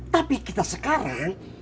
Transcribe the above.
tapi kita sekarang